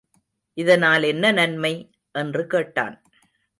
இதனால் என்ன நன்மை? என்று கேட்டான்.